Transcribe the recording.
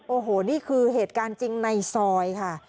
โอ้โหนี่คือเหตุการณ์จริงในซอยค่ะ